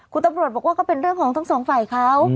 คุณตำรวจบอกว่าก็เป็นเรื่องของทั้งสองฝ่ายเขา